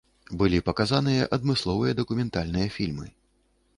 Былі паказаныя адмысловыя дакументальныя фільмы.